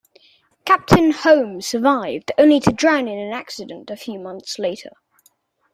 Captain Holm survived, only to drown in an accident a few months later.